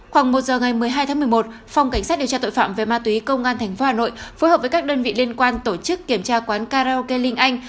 khoảng một giờ ngày một mươi hai tháng một mươi một phòng cảnh sát điều tra tội phạm về ma túy công an tp hà nội phối hợp với các đơn vị liên quan tổ chức kiểm tra quán karaoke linh anh